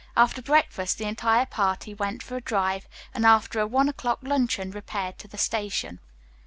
After breakfast, the entire party went for a drive, and after a one o'clock luncheon repaired to the station.